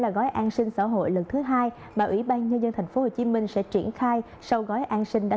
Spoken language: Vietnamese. là gói an sinh xã hội lần thứ hai mà ủy ban nhân dân tp hcm sẽ triển khai sau gói an sinh đã